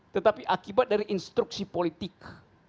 tetapi akibat dari instruksi politik